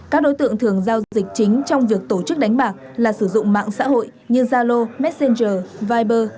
các đối tượng thường giao dịch chính trong việc tổ chức đánh bạc là sử dụng mạng xã hội như zalo messenger viber